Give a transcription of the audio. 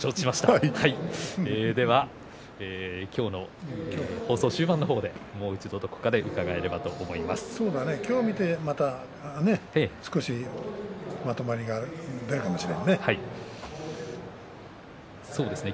では今日の放送終盤の方でもう一度どこかで伺えればと思い今日見て少しまとまりが出るかもしれんね。